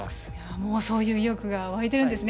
もうそういう意欲が湧いているんですね。